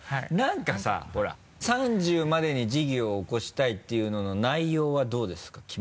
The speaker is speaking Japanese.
何かさほら３０までに事業を起こしたいっていうのの内容はどうですか？